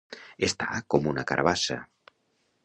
Estar com una carabassa.